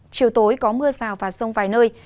chiều tối có mưa rào và sông vài nơi